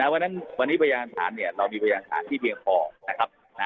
วันนี้พยานฐานเนี่ยเรามีพยานฐานที่เพียงพอนะครับ